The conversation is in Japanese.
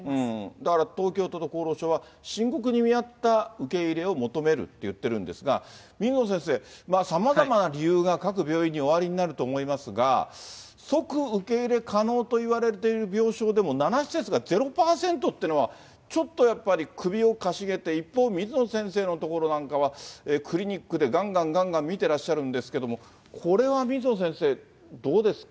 だから東京都と厚労省は、申告に見合った受け入れを求めるって言ってるんですが、水野先生、さまざまな理由が各病院におありになると思いますが、即受け入れ可能といわれている病床でも、７施設が０％というのは、ちょっとやっぱり、首をかしげて、一方、水野先生のところなんかは、クリニックでがんがんがんがん診てらっしゃるんですけれども、これは水野先生、どうですか？